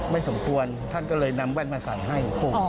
สมควรท่านก็เลยนำแว่นมาใส่ให้